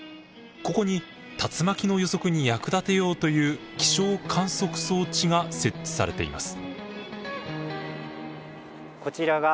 ここに竜巻の予測に役立てようという気象観測装置が設置されています。